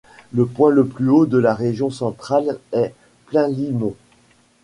Le point le plus haut de la région centrale est Plynlimon.